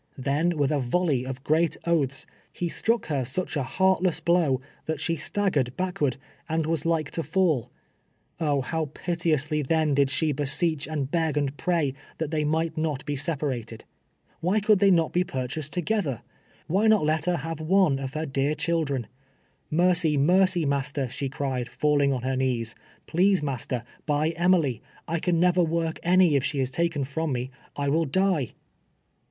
Then, with a volley of great oaths, ho struck b r suck 86 TWEL \T2 YEARS A SLA^TE. a licartlcsi? \)\ovr, tluit slie staggered backward, and was like to falk Oh ! liow piteouslj then did she be seecli and beg and pray that thcj might not be sepa rated. A\^hy eonhl they not be pnrchased together? "Wliy Tiot h't lier liave one of lier dear chikh'en ? "Mercy, mercy, master! " she cried, falling on her knees. " Phrase, master, buy Emily. I can never work any if she is taken from me : I will die."